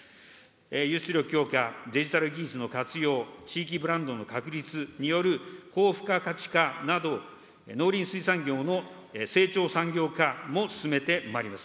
輸出量強化、デジタル技術の活用、地域ブランドの確立による高付加価値化など、農林水産業の成長産業化も進めてまいります。